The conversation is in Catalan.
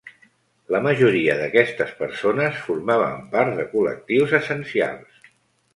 La majoria d’aquestes persones formaven part de col·lectius essencials.